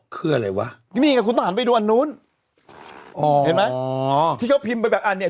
คืออะไรวะนี่ไงคุณต้องหันไปดูอันนู้นอ๋อเห็นไหมอ๋อที่เขาพิมพ์ไปแบบอันเนี้ย